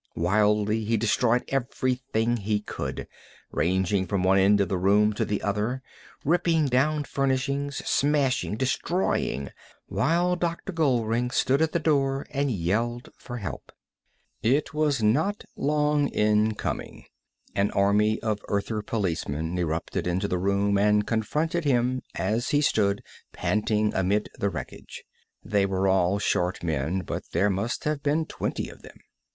Wildly he destroyed everything he could, raging from one end of the room to the other, ripping down furnishings, smashing, destroying, while Dr. Goldring stood at the door and yelled for help. It was not long in coming. An army of Earther policemen erupted into the room and confronted him as he stood panting amid the wreckage. They were all short men, but there must have been twenty of them.